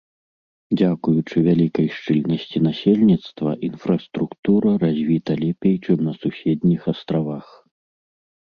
Дзякуючы вялікай шчыльнасці насельніцтва інфраструктура развіта лепей, чым на суседніх астравах.